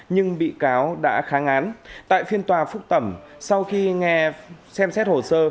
nhưng bị cáo đã kháng án tại phiên tòa phúc thẩm sau khi nghe xem xét hồ sơ